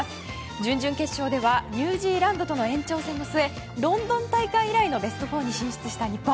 準々決勝ではニュージーランドとの延長戦の末ロンドン大会以来のベスト４に進出した日本。